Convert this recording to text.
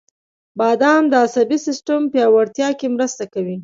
• بادام د عصبي سیستم پیاوړتیا کې مرسته کوي.